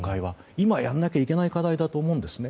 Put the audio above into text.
今やらなきゃいけない課題だと思うんですね。